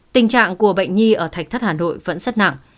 tình trạng của bệnh nhi ở thạch thất hà nội vẫn rất nặng